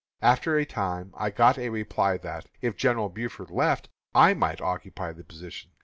After a time I got a reply that, if General Buford left, I might occupy the position.